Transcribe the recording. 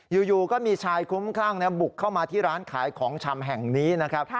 อยู่ก็มีชายคุ้มคลั่งบุกเข้ามาที่ร้านขายของชำแห่งนี้นะครับ